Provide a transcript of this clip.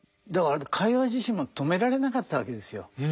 だからカイヨワ自身も止められなかったわけですよ。